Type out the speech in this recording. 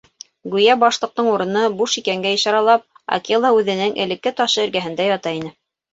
Гүйә Башлыҡтың урыны буш икәнгә ишаралап, Акела үҙенең элекке ташы эргәһендә ята ине.